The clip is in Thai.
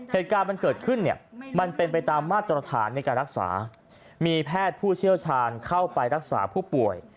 เหตุการณ์มันเกิดขึ้นเนี่ยมันเป็นไปตามมาตรฐานในการรักษามีแพทย์ผู้เชี่ยวชาญเข้าไปรักษาผู้ป่วย